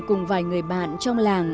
cùng vài người bạn trong làng